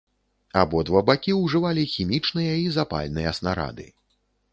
Абодва бакі ўжывалі хімічныя і запальныя снарады.